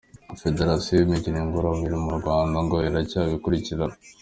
Federasiyo y’imikino ngororamubiri mu Rwanda ngo iracyabikurikirana .